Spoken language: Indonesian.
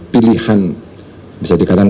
pilihan bisa dikatakan